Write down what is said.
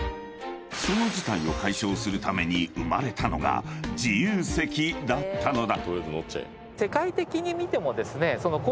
［その事態を解消するために生まれたのが自由席だったのだ］